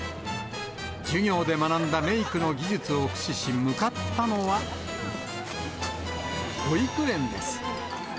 授業で学んだメークの技術を駆使し、向かったのは、保育園です。